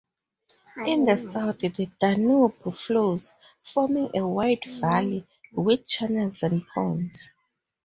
In the South the Danube flows, forming a wide valley, with channels and ponds.